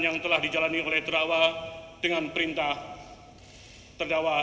yang telah dijalani oleh terdakwa dengan perintah terdakwa